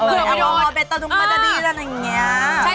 เอามาวอเบ็ตตรุงมันดาดี้แล้วอย่างนี้